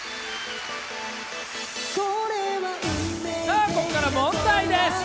さあここから問題です。